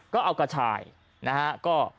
ก็เอากระชายค่ะ